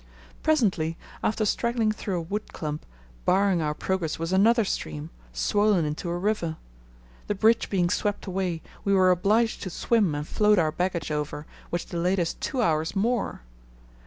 Presently, after straggling through a wood clump, barring our progress was another stream, swollen into a river. The bridge being swept away, we were obliged to swim and float our baggage over, which delayed us two hours more.